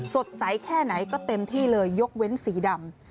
สดใสแค่ไหนก็เต็มที่เลยยกเว้นสีดำ